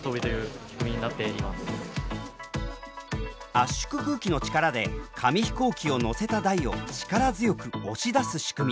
圧縮空気の力で紙飛行機を乗せた台を力強く押し出す仕組み。